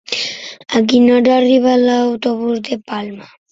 A quina hora arriba l'autobús de Palma?